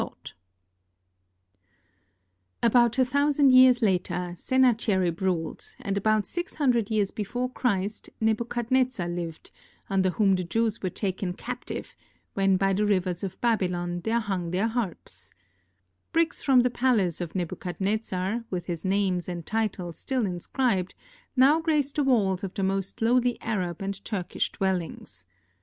THE EFFECTS OF GEOGRAPHIC ENVIRONMENT 173 About a thousand years later Sennacheril) ruled, juid ahout six hundred years before Christ Nebuchadnezzer lived, under whom the Jews were taken captive, " when by the rivers of Babylon they hung their harps." Bricks from the palace of Nebuchadnezzar, with his name and title still inscribed, now grace the walls of tiie most lowly Arab and Turkish dwellings.